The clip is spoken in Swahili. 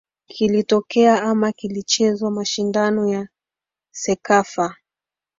kulitokea ama kulichezwa mashindano ya cecafa